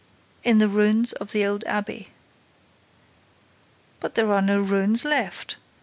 "In the ruins of the old abbey." "But there are no ruins left!